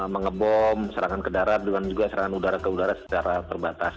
mengebom serangan ke darat dan juga serangan udara ke udara secara terbatas